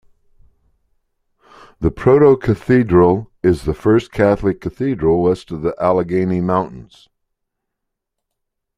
The proto-cathedral is the first Catholic Cathedral west of the Allegheny Mountains.